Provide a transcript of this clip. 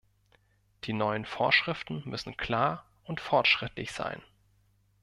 Die neuen Vorschriften müssen klar und fortschrittlich sein.